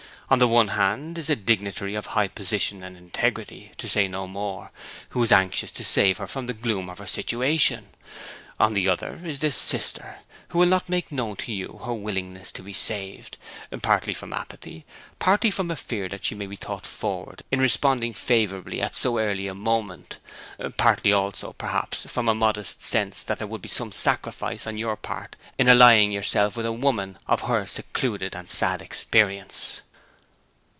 On the one hand is a dignitary of high position and integrity, to say no more, who is anxious to save her from the gloom of her situation; on the other is this sister, who will not make known to you her willingness to be saved partly from apathy, partly from a fear that she may be thought forward in responding favourably at so early a moment, partly also, perhaps, from a modest sense that there would be some sacrifice on your part in allying yourself with a woman of her secluded and sad experience.'